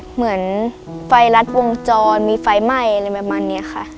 เหมือนไฟรัดวงจรมีไฟไหม้อะไรประมาณนี้ค่ะ